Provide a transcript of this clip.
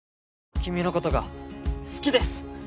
君のことが好きです